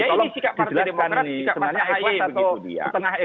ya ini sikap partai demokrat